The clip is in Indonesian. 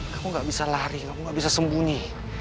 kamu gak bisa lari kamu gak bisa sembunyi